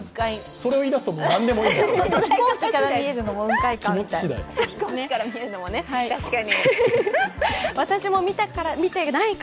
それを言い出すと、何でもいいのかなと。